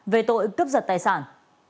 về tội cướp giật tài sản